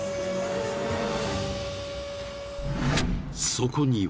［そこには］